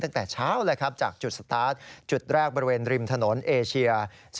ตั้งแต่เช้าเลยครับจากจุดสตาร์ทจุดแรกบริเวณริมถนนเอเชีย